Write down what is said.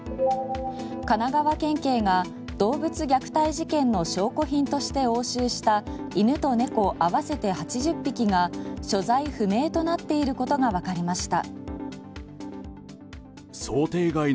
神奈川県警が動物虐待事件の証拠品として押収した犬と猫合わせて８０匹が所在不明となっていることがわかりました。